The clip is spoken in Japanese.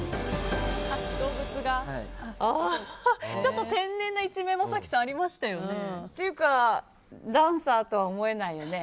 ちょっと天然な一面もありましたね、早紀さん。というかダンサーとは思えないよね。